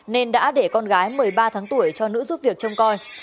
nên đã để con gái một mươi ba tháng tuổi cho nữ giúp việc trông coi